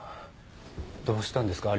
どうしたんですか？